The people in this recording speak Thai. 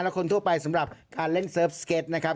และคนทั่วไปสำหรับการเล่นเซิร์ฟสเก็ตนะครับ